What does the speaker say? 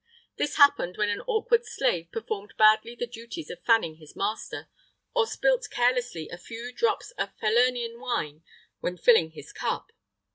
This happened when an awkward slave performed badly the duties of fanning his master, or spilt carelessly a few drops of Falernian wine when filling his cup.